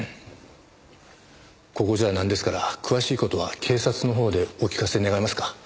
ここじゃあなんですから詳しい事は警察のほうでお聞かせ願えますか？